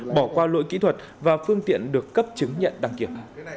bỏ qua lỗi kỹ thuật và phương tiện được cấp chứng nhận đăng kiểm